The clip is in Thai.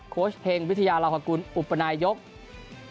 โค้ชเพ็งวิทยาลักษณ์อุปนายกษ์